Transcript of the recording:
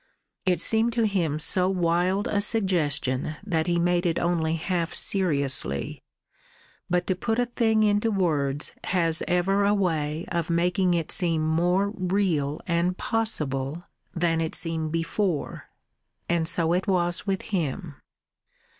It seemed to him so wild a suggestion that he made it only half seriously. But to put a thing into words has ever a way of making it seem more real and possible than it seemed before. And so it was with him.